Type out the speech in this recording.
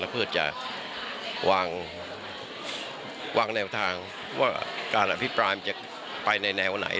เพื่อจะวางแนวทางว่าการอภิปรายมันจะไปในแนวไหน